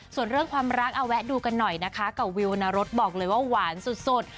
ส่วนเรื่องความรักเอาแวะดูกันหน่อยนะคะกับวิวนรสบอกเลยว่าหวานสุด